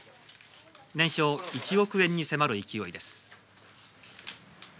年商１億円に迫る勢いです